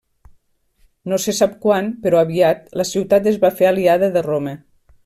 No se sap quan, però aviat, la ciutat es va fer aliada de Roma.